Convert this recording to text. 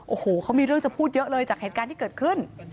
โอ้โหเขามีเรื่องจะพูดเยอะเลยจากเหตุการณ์ที่เกิดขึ้น